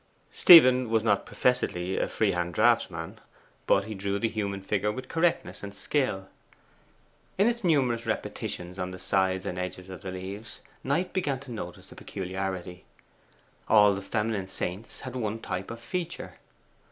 Stephen was not professedly a free hand draughtsman, but he drew the human figure with correctness and skill. In its numerous repetitions on the sides and edges of the leaves, Knight began to notice a peculiarity. All the feminine saints had one type of feature.